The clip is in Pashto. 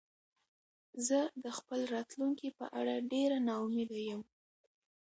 زه د خپل راتلونکې په اړه ډېره نا امیده یم